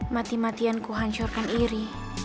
mati matian ku hancurkan iri